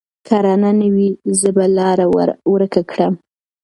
که رڼا نه وي، زه به لاره ورکه کړم.